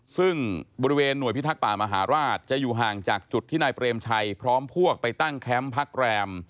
ซึ่งบริเวณหน่วยพิทักษ์ป่ามหาราชจะอยู่ห่างจากจุดที่นายเปรมชัยพร้อมพวกไปตั้งแคมป์พักแรม